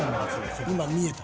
今見えた。